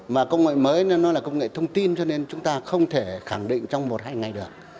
mà công nghệ mới nó là công nghệ thông tin cho nên chúng ta không thể khẳng định trong một hai ngày được